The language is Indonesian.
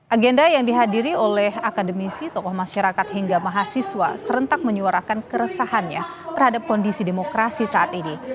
agenda yang dihadiri oleh akademisi tokoh masyarakat hingga mahasiswa serentak menyuarakan keresahannya terhadap kondisi demokrasi saat ini